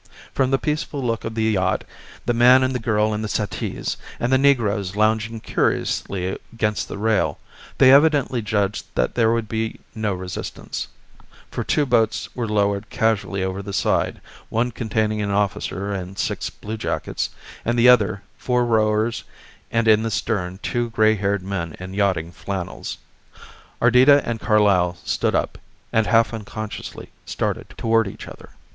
From the peaceful look of the yacht, the man and the girl in the settees, and the negroes lounging curiously against the rail, they evidently judged that there would be no resistance, for two boats were lowered casually over the side, one containing an officer and six bluejackets, and the other, four rowers and in the stern two gray haired men in yachting flannels. Ardita and Carlyle stood up, and half unconsciously started toward each other.